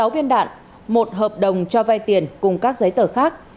sáu viên đạn một hợp đồng cho vay tiền cùng các giấy tờ khác